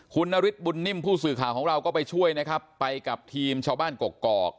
คุณนฤทธบุญนิ่มผู้สื่อข่าวของเราก็ไปช่วยนะครับไปกับทีมชาวบ้านกกอก